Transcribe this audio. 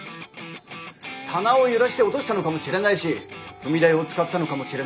棚を揺らして落としたのかもしれないし踏み台を使ったのかもしれない。